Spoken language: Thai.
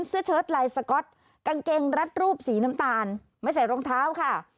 เชิดลายสก๊อตกางเกงรัดรูปสีน้ำตาลไม่ใส่รองเท้าค่ะ